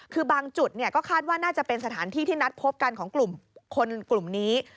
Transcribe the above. คือบางจุดก็คาดว่าน่าจะเป็นสถานที่ที่นัดพบกันของกลุ่มคนกลุ่มนี้